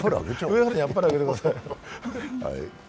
上原さんにあっぱれあげてください。